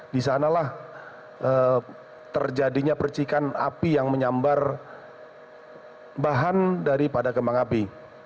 di sanalah terjadinya percikan api yang menyambar bahan daripada kembang api